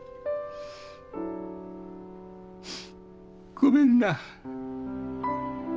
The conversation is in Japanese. ごめんな。